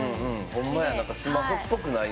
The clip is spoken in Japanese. ほんまやなんかスマホっぽくない。